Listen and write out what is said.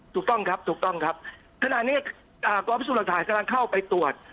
ถูกต้องครับถูกต้องครับขณะนี้กองพิสูจน์หลักฐานกำลังเข้าไปตรวจ